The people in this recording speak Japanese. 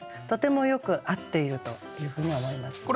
とてもよく合っているというふうに思います。